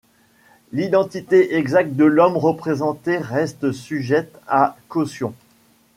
L'identité exacte de l'homme représenté reste sujette à caution.